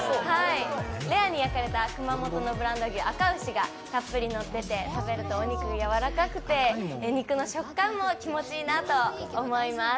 レアに焼かれた熊本のブランド牛、あか牛がたっぷりのってて食べるとお肉がやわらかくて肉の食感も気持ちいいなと思います。